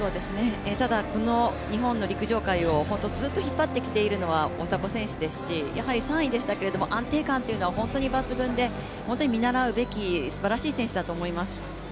ただ、日本の陸上界をずっと引っ張ってきているのは大迫選手ですし、やはり３位でしたけど安定感というのは本当に抜群で、本当に見習うべきすばらしい選手だと思います。